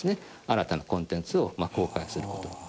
新たなコンテンツを公開する事に。